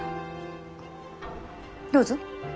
どうぞ？